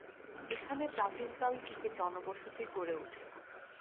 এখানে প্রাচীনকাল থেকে জন বসতি গড়ে ওঠে।